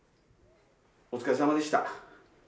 お疲れさまでした。